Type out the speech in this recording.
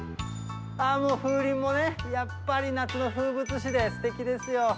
ああ、もう、風鈴もね、やっぱり夏の風物詩ですてきですよ。